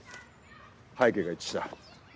背景が一致した。